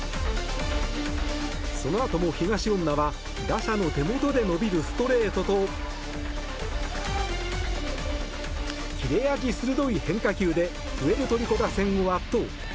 そのあとも東恩納は打者の手元で伸びるストレートと切れ味鋭い変化球でプエルトリコ打線を圧倒。